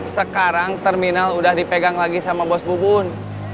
sekarang terminal udah dipegang lagi sama bos bubun